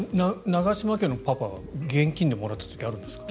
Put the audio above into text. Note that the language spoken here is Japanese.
長嶋家のパパは現金でもらっていたことあるんですか？